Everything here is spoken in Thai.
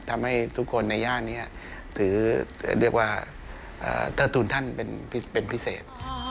ทำให้ทุกคนในย่านนี้ถือเรียกว่าเทิดทุนท่านเป็นพิเศษ